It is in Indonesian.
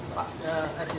pak kasih tajuan